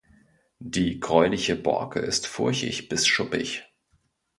Die gräuliche Borke ist furchig bis schuppig.